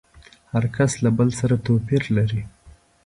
هر کس له بل سره توپير لري.